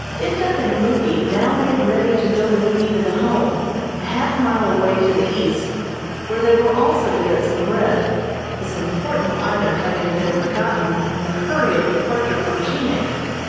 Ituk and Muky now made ready to go with me to the Home, a half mile away to the east where they were also to get some bread, this important item having been forgotten in the hurry of departure from Chinik.